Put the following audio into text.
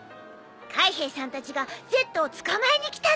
海兵さんたちがＺを捕まえに来たって。